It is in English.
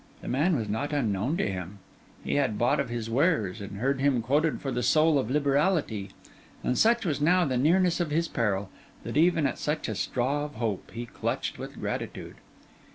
The man was not unknown to him; he had bought of his wares, and heard him quoted for the soul of liberality; and such was now the nearness of his peril, that even at such a straw of hope, he clutched with gratitude.